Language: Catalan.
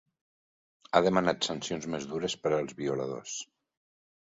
Ha demanat sancions més dures per als violadors.